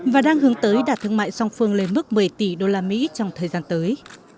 và đang hướng tới đạt thương mại song phương lên mức một mươi tỷ usd trong thời gian tới